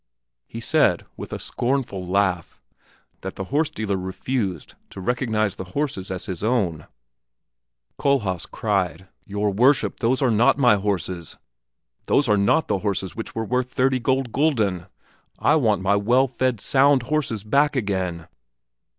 He said, with a scornful laugh, that the horse dealer refused to recognize the horses as his own. Kohlhaas cried, "Your worship, those are not my horses. Those are not the horses which were worth thirty gold gulden! I want my well fed, sound horses back again!"